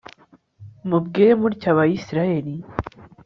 mubwire mutya abayisraheli